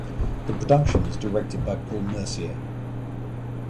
The production was directed by Paul Mercier.